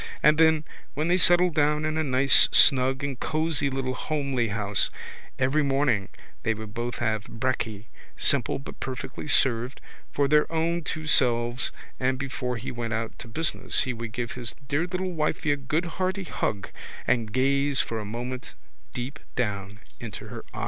and then, when they settled down in a nice snug and cosy little homely house, every morning they would both have brekky, simple but perfectly served, for their own two selves and before he went out to business he would give his dear little wifey a good hearty hug and gaze for a moment deep down into her eyes.